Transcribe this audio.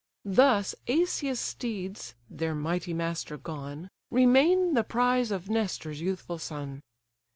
Thus Asius' steeds (their mighty master gone) Remain the prize of Nestor's youthful son.